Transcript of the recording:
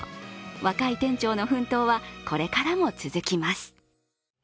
若い店長の奮闘はこれからも続きます。